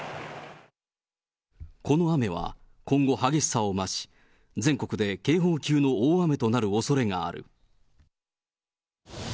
この雨は、今後激しさを増し、全国で警報級の大雨となるおそれがある。